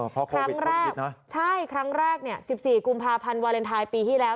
เพราะโควิด๑๙นะใช่ครั้งแรกเนี่ย๑๔กุมภาพันธ์วาเลนไทยปีที่แล้ว